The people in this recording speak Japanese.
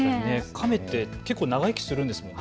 カメって結構、長生きするんですよね。